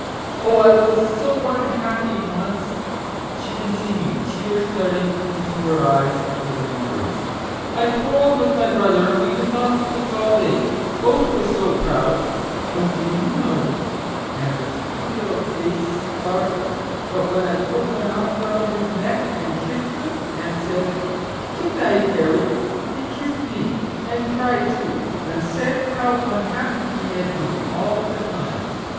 Oh, I was so unhappy once !" she continued, tears starting into her eyes at the remembrance :" I quar relled with my brother, and we did not speak all day both were so proud : but do you know" (and the sweet little face sparkled) "that when I put my arms round his neck and kissed him, and said, ' Good night, Harry !' he kissed me, and cried too ; and said how unhappy he had been all the time.